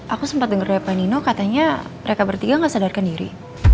aku sempat denger ya pak nino katanya mereka bertiga gak sadarkan diri